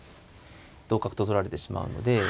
同角と取られてしまうので。